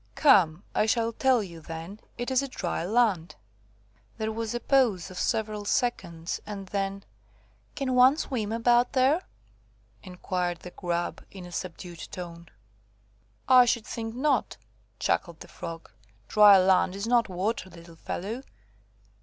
"Come, I shall tell you then. It is dry land." There was a pause of several seconds, and then, "Can one swim about there?" inquired the Grub, in a subdued tone. "I should think not," chuckled the Frog. "Dry land is not water, little fellow.